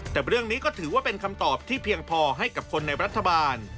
แต่เรื่องนี้ก็ถือว่าเป็นคำตอบที่เพียงพอให้กับคนในรัฐบาล